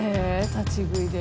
立ち食いで。